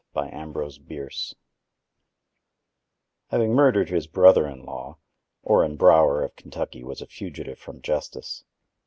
AN ARREST HAVING murdered his brother in law, Orrin Brower of Kentucky was a fugitive from justice.